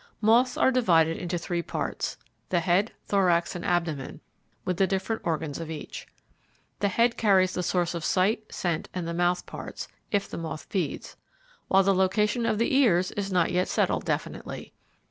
Moths are divided into three parts, the head, thorax, and abdomen, with the different organs of each. The head carries the source of sight, scent, and the mouth parts, if the moth feeds, while the location of the ears is not yet settled definitely.